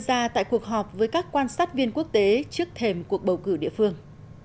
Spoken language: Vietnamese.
diễn ra tại cuộc họp với các quan sát viên quốc tế trước thềm cuộc bầu cử địa phương